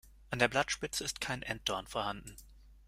An der Blattspitze ist kein Enddorn vorhanden.